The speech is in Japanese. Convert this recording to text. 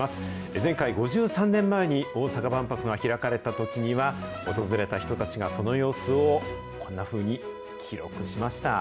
前回・５３年前に大阪万博が開かれたときには、訪れた人たちがその様子をこんなふうに記録しました。